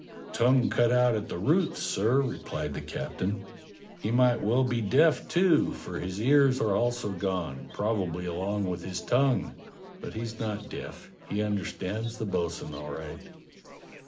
"Tongue cut out at the roots, sir," replied the cap 52 DOCTOR SYN tain. "He might well be deaf, too, for his ears are also gone, probably along with his tongue, but he's not deaf, he understands the bo'sun all right."